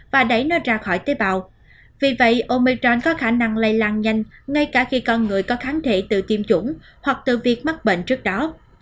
vì vậy omicron có khả năng lây lan nhanh ngay cả khi con người có kháng thể từ tiêm chủng hoặc từ việc mắc bệnh trước đó